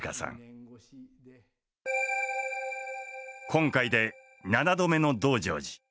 今回で７度目の「道成寺」。